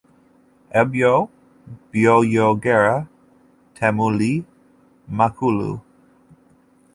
Ebyo byoyogera temuli makulu.